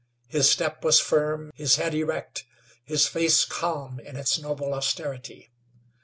His step was firm, his head erect, his face calm in its noble austerity.